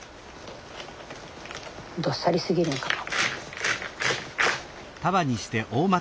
どっさりすぎるのかも。